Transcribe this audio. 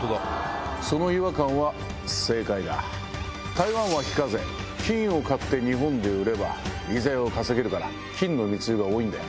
台湾は非課税金を買って日本で売れば利ざやを稼げるから金の密輸が多いんだよ。